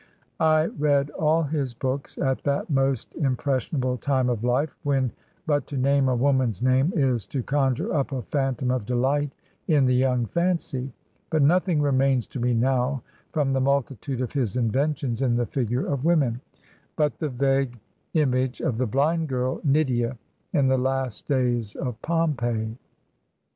I read all his books at that most impression able time of life when but to name a woman's name is to conjure up a phantom of dehght in the young fancy; but nothing remains to me now from the multitude of his inventions in the figure of women but the vague image of the blind girl Nydia in "The Last Days of Pompeii."